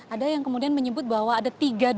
ada yang kemudian menyebut bahwa ada tiga